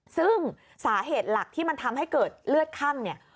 ซึ่งสาเหตุหลักที่มันทำให้เกิดเลือดคั่งเนี่ย